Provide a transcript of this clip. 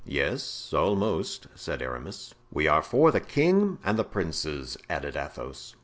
"Yes, almost," said Aramis. "We are for the king and the princes," added Athos.